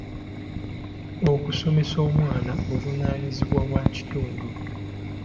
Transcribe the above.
Okusomesa omwana buvunaanyizibwa bwa kitundu.